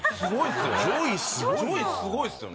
すごいっすよね